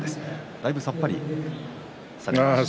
だいぶ、さっぱりされましたか。